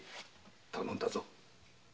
頼んだぞ。